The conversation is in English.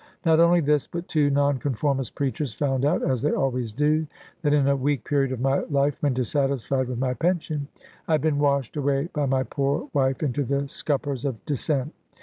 Not only this, but two Nonconformist preachers found out (as they always do) that in a weak period of my life, when dissatisfied with my pension, I had been washed away by my poor wife into the scuppers of Dissent.